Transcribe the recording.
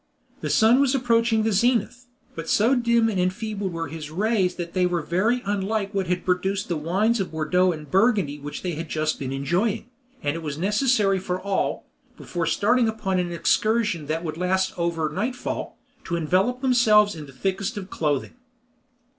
The sun was approaching the zenith, but so dim and enfeebled were his rays that they were very unlike what had produced the wines of Bordeaux and Burgundy which they had just been enjoying, and it was necessary for all, before starting upon an excursion that would last over nightfall, to envelop themselves in the thickest of clothing.